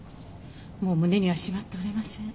もう胸にはしまっておれません。